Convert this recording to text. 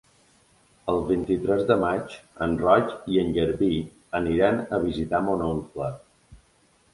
El vint-i-tres de maig en Roc i en Garbí aniran a visitar mon oncle.